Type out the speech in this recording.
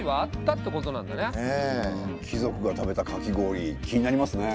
貴族が食べたかき氷気になりますね。